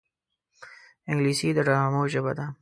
انګلیسي د ډرامو ژبه ده